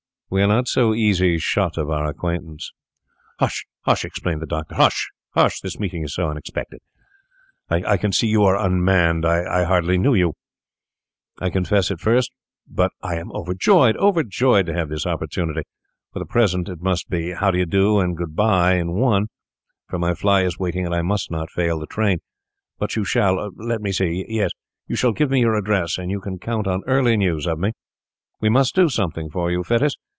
We are not so easy shut of our acquaintance.' 'Hush, hush!' exclaimed the doctor. 'Hush, hush! this meeting is so unexpected—I can see you are unmanned. I hardly knew you, I confess, at first; but I am overjoyed—overjoyed to have this opportunity. For the present it must be how d'ye do and good bye in one, for my fly is waiting, and I must not fail the train; but you shall—let me see—yes—you shall give me your address, and you can count on early news of me. We must do something for you, Fettes.